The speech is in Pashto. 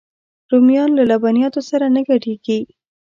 رومیان له لبنیاتو سره نه ګډېږي